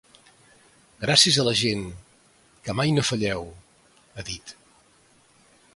Gràcies a la gent, que mai no falleu, ha dit.